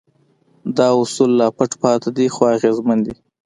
دا اصول لا پټ پاتې دي خو اغېزمن دي.